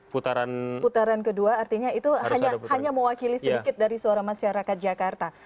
putaran kedua artinya itu hanya mewakili sedikit dari suara masyarakat jakarta